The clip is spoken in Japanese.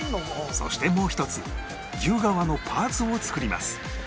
そしてもう１つ牛革のパーツを作ります